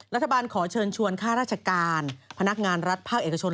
รัฐบาลขอเชิญชวนค่าราชการพนักงานรัฐภาคเอกชน